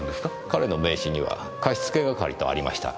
彼の名刺には貸付係とありました。